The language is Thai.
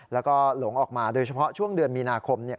แล้วก็หลงออกมาโดยเฉพาะช่วงเดือนมีนาคม